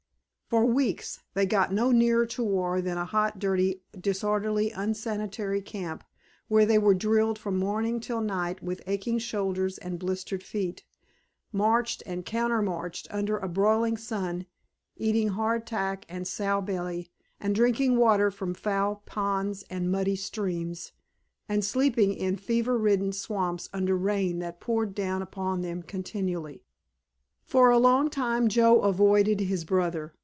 For weeks they got no nearer to war than a hot, dirty, disorderly, unsanitary camp, where they were drilled from morning till night with aching shoulders and blistered feet, marched and countermarched under a broiling sun, eating hard tack and sow belly, and drinking water from foul ponds and muddy streams, and sleeping in fever ridden swamps under rain that poured down upon them continually. For a long time Joe avoided his brother.